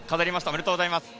おめでとうございます。